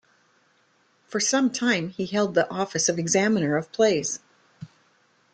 For some time he held the office of examiner of plays.